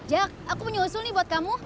jak aku punya usul nih buat kamu